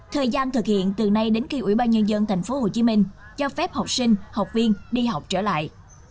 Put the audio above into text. thời gian thực hiện từ nay đến khi ubnd tp hcm cho phép học sinh học viên đi học trở lại